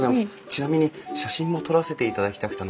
ちなみに写真も撮らせていただきたくて。